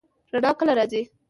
رڼا کله راځي؟